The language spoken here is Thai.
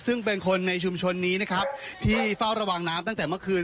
ซึ่งเป็นคนในชุมชนนี้นะครับที่เฝ้าระวังน้ำตั้งแต่เมื่อคืน